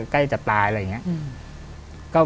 ใกล้จะตายอะไรอย่างนี้